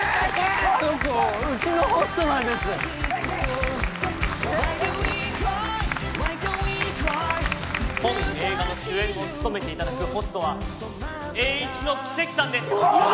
あの子うちのホストなんです本映画の主演を務めていただくホストはエーイチのキセキさんですおお！